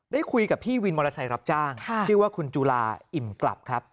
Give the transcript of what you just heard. ได้คุยกับพี่วินมอเตอร์ไซค์รับจ้างชื่อว่าคุณจุลาอิ่มกลับครับ